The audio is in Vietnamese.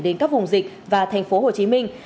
đến các vùng dịch và thành phố hồ chí minh